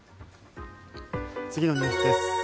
次のニュースです。